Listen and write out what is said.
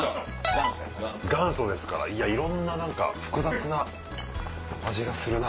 元祖ですからいろんな複雑な味がするな。